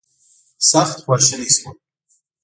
سخت خواشینی شوم.